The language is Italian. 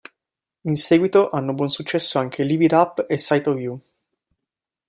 In seguito, hanno buon successo anche "Live it up" e "Sight of you".